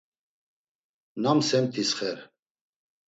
Nam semtis xer?